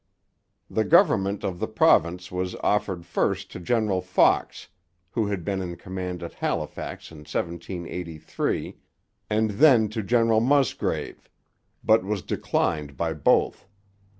The government of the province was offered first to General Fox, who had been in command at Halifax in 1783, and then to General Musgrave; but was declined by both.